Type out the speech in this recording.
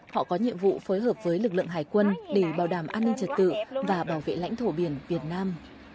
họ có nhiệm vụ phối hợp với lực lượng hải quân để bảo đảm an ninh trật tự và bảo vệ lãnh thổ biển việt nam